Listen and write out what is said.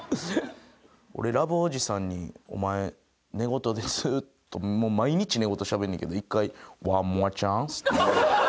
俺らぶおじさんに「お前寝言でずっと」毎日寝言しゃべるねんけど一回「ワンモアチャンス」って。